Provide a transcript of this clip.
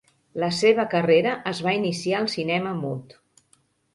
La seva carrera es va iniciar al cinema mut.